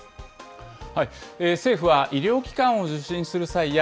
政府は医療機関を受診する際や、